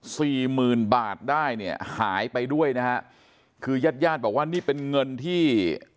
สี่หมื่นบาทได้เนี่ยหายไปด้วยนะฮะคือญาติญาติบอกว่านี่เป็นเงินที่